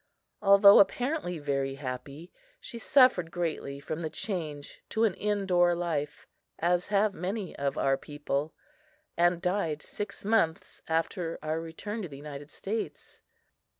Although apparently very happy, she suffered greatly from the change to an indoor life, as have many of our people, and died six months after our return to the United States.